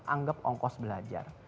anggap ongkos belajar